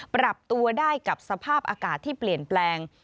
ปรับตัวได้กับสภาพอากาศที่เปลี่ยนแปลง